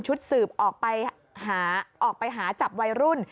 ชุดสืบออกไปหาจับวัยรุ่น